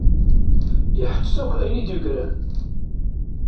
Iḥettet akk ayen i d-yeggran.